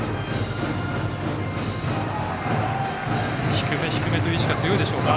低め、低めという意識が強いでしょうか。